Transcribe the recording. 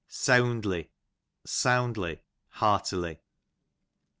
Seawndly, soundly, heartily.